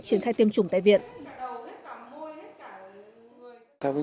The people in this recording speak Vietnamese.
triển khai tiêm chủng tại viện